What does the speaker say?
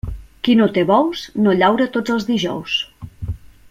Qui no té bous, no llaura tots els dijous.